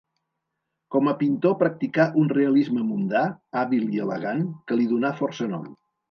Com a pintor practicà un realisme mundà, hàbil i elegant, que li donà força nom.